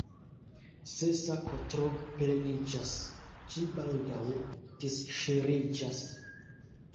Se sako tro pleniĝas, ĝi baldaŭ disŝiriĝas.